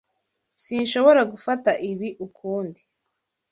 Sinshobora gufata ibi ukundi.